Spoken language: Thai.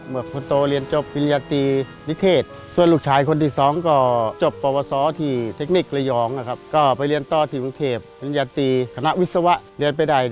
เปิดชนโตเรียนจบประวัติวิทยาลัยวิทยาเรียส